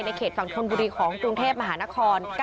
เขตฝั่งธนบุรีของกรุงเทพมหานคร